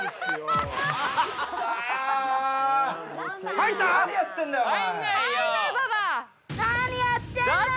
何やってんだよ、お前。